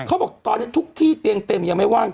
เขาบอกตอนนี้ทุกที่เตียงเต็มยังไม่ว่าง